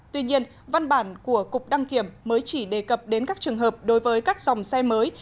tuy nhiên văn bản của cục đăng kiểm mới chỉ đề cập đến các trường hợp đối với các dòng xe mới